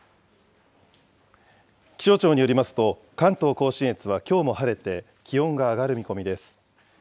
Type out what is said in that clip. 気象庁によりますと、関東甲信越はきょうも晴れて、気温が上がる見込みです。